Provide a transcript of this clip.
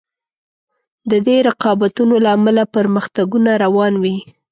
د دې رقابتونو له امله پرمختګونه روان وي.